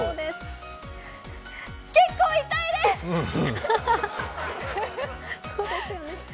結構痛いです。